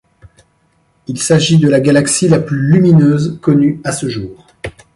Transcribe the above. Il s'agit de la galaxie la plus lumineuse connue à ce jour.